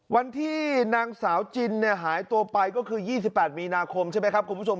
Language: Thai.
วันที่นางสาวจินหายตัวไปก็คือ๒๘มีนาคมใช่ไหมครับคุณผู้ชม